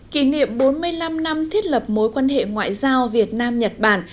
kỷ niệm bốn mươi năm năm thiết lập mối quan hệ ngoại giao việt nam nhật bản